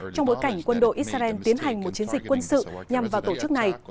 trong bối cảnh quân đội israel tiến hành một chiến dịch quân sự nhằm vào tổ chức này